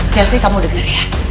jalis kamu denger ya